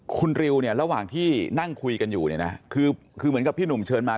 คุณริวเนี่ยระหว่างที่นั่งคุยกันอยู่เนี่ยนะคือเหมือนกับพี่หนุ่มเชิญมา